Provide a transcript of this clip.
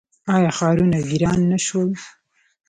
آیا ښارونه ویران نه شول؟